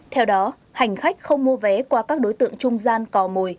theo đó hành khách không mua vé qua các đối tượng trung gian cò mồi